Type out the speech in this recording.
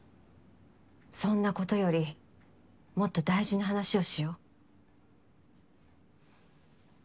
そんなことよりもっと大事な話をしよう。